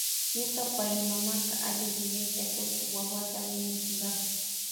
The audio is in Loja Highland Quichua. Ñuka payamama alliyuyayta kurka wawata wiñachinkapa.